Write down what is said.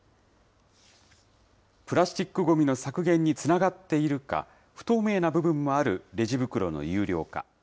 プラスチックごみの削減につながっているか、不透明な部分もあるレジ袋の有料化。